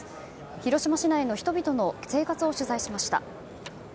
広島市内の人々の生活を取材しました。